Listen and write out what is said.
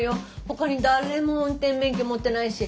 ほかに誰も運転免許持ってないし。